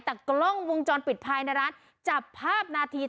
แต่กล้องวงจรปิดภายในร้านจับภาพนาที